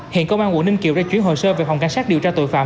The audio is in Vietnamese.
hiện công an quận ninh kiều đã chuyển hồ sơ về phòng cảnh sát điều tra tội phạm